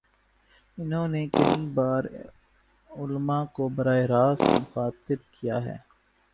انہوں نے کئی بارعلما کو براہ راست مخاطب کیا ہے۔